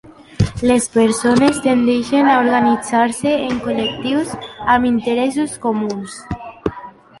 Les persones tendeixen a organitzar-se en col·lectius amb interessos comuns.